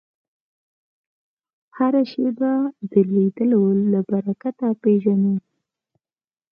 هره شېبه د لیدلو له برکته پېژنو